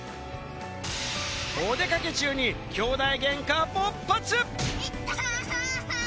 お出かけ中にきょうだいゲンカ勃発。